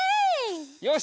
よし！